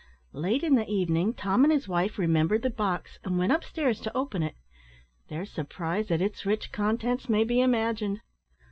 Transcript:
Late in the evening, Tom and his wife remembered the box, and went up stairs to open it. Their surprise at its rich contents may be imagined.